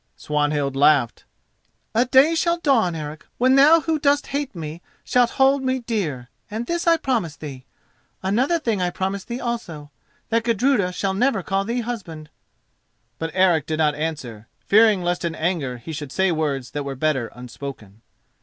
Swanhild laughed. "A day shall dawn, Eric, when thou who dost hate me shalt hold me dear, and this I promise thee. Another thing I promise thee also: that Gudruda shall never call thee husband." But Eric did not answer, fearing lest in his anger he should say words that were better unspoken.